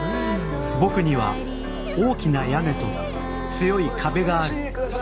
「ぼくには大きな屋根と」「強い壁がある」